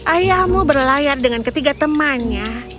ayahmu berlayar dengan ketiga temannya